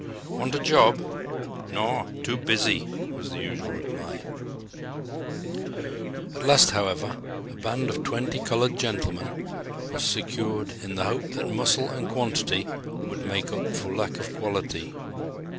"Want a job?" "Naw, too busy," was the usual reply. At last, however, a band of twenty "colored gentlemen" was secured in the hope that muscle and quantity would make up for lack of quality.